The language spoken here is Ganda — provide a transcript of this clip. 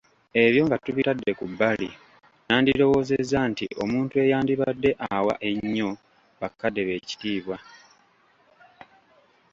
Ebyo nga tubitadde ku bbali, nandirowoozezza nti omuntu eyandibadde awa ennyo bakadde be ekitiibwa